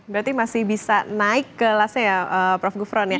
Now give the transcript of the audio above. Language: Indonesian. berarti masih bisa naik kelasnya ya prof gufron ya